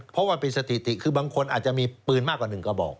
เพราะว่าเป็นสถิติคือบางคนอาจจะมีปืนมากกว่า๑กระบอก